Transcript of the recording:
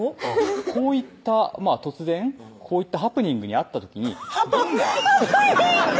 こういった突然こういったハプニングに遭った時にどんなハプニング！